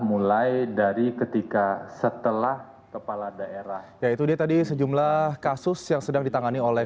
mulai dari ketika setelah